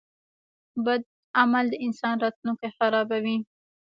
• بد عمل د انسان راتلونکی خرابوي.